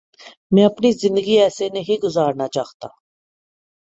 میں اپنی زندگی ایسے نہیں گزارنا چاہتا۔